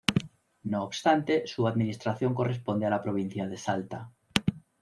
No obstante, su administración corresponde a la provincia de Salta.